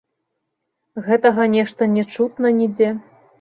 Гэтага нешта не чутна нідзе.